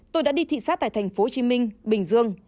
tôi đã đi thị xác tại thành phố hồ chí minh bình dương